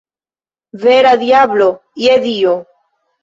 Vera diablo, je Dio!